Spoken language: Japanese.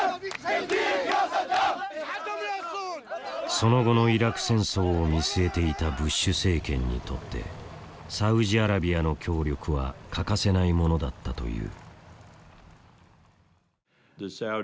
その後のイラク戦争を見据えていたブッシュ政権にとってサウジアラビアの協力は欠かせないものだったという。